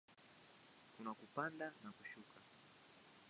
Kuna kupanda na kushuka.